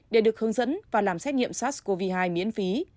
để được hướng dẫn và làm xét nghiệm sars cov hai miễn phí